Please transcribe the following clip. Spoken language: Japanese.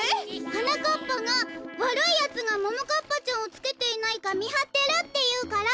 はなかっぱがわるいやつがももかっぱちゃんをつけていないかみはってるっていうから。